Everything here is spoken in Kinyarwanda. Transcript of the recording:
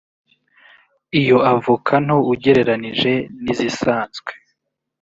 Iyo avoka nto ugereranije n’izisanzwe